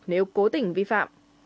nếu cố tình vi phạm